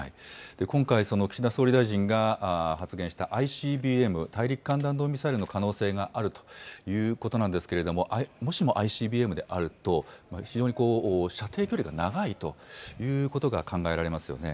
今回、岸田総理大臣が発言したＩＣＢＭ・大陸間弾道ミサイルの可能性があるということなんですけれども、もしもＩＣＢＭであると、非常に射程距離が長いということが考えられますよね。